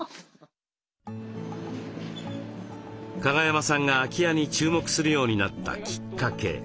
加賀山さんが空き家に注目するようになったきっかけ。